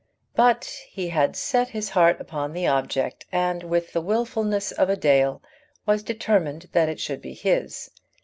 But he had set his heart upon the object, and with the wilfulness of a Dale was determined that it should be his.